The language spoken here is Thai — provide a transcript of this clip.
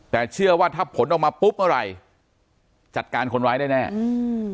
แต่เชื่อว่าถ้าผลออกมาปุ๊บอะไรจัดการคนร้ายได้แน่อืม